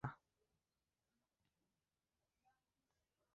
আমাদের ধর্ম শিক্ষা দেয় যে, এইরূপ কোন অবস্থা থাকিতে পারে না।